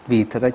vì thật ra